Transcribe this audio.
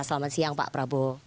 selamat siang pak prabowo